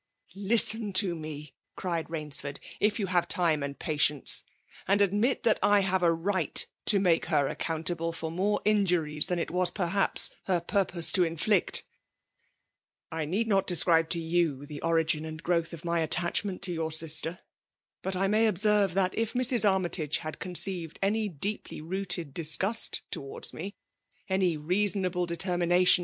*^• ''listen to me;" cciiod Bainrford, '^ifyo^ Inure tine and palienoe; and admit that I have a tight to make h^ accountable foe more injuries than it wais parhapa her puipoB«^ tD inflict. I need not describe to you tha origin and grrowth of toy attachment to youc rater ; but I may observe* that if Mrs. Army lage had conceived any deeply rooted disgust towards me — any reasonable determination^ i)00 FEBIALl^ BOIIINATYON, A «*.